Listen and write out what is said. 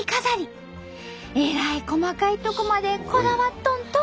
えらい細かいとこまでこだわっとんと！